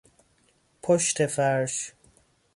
پشت فرش